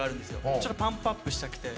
ちょっとパンプアップしたくて。